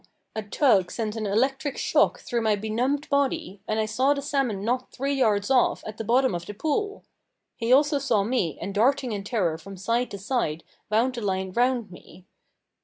a tug sent an electric shock through my benumbed body, and I saw the salmon not three yards off, at the bottom of the pool! He also saw me, and darting in terror from side to side wound the line round me.